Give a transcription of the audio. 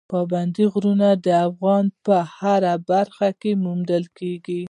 پابندي غرونه د افغانستان په هره برخه کې موندل کېږي.